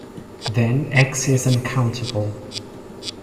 Then "X" is uncountable.